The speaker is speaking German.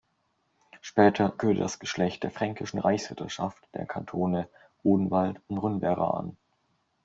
Später gehörte das Geschlecht der Fränkischen Reichsritterschaft der Kantone Odenwald und Rhön-Werra an.